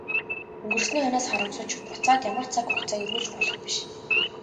Өнгөрсний хойноос харамсавч буцаад ямар цаг хугацааг эргүүлж болох биш.